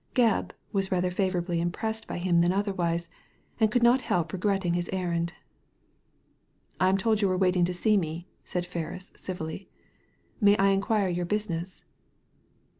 Gcbb was rather favourably impressed by him than otherwise, and could not help regretting his errand. " I am told you are waiting to see me," said Ferris, civilly. May I inquire your business